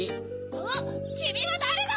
・あっきみはだれだ！